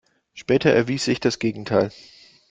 Später erwies sich das Gegenteil.